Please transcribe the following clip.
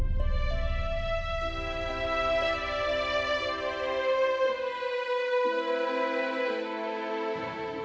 terus memahami kondisi saya dan aulia